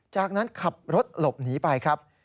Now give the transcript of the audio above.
จากนั้นขับรถหลบหนีไปครับ